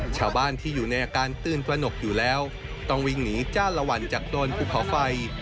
เช่าบ้านที่อยู่ในอากาศนุกที่อยู่แล้วต้องโดยงินอีกจะละวันจากโดรนภูเขาไฟ